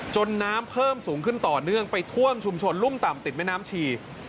น้ำเพิ่มสูงขึ้นต่อเนื่องไปท่วมชุมชนรุ่มต่ำติดแม่น้ำชี